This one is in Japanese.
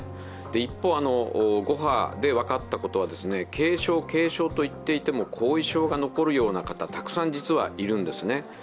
一方、５波で分かったことは軽症、軽症と言っていても後遺症が残るような方たくさん実はいるんですね。